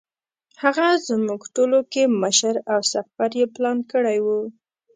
هغه زموږ ټولو کې مشر او سفر یې پلان کړی و.